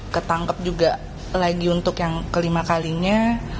ketangkep juga lagi untuk yang kelima kalinya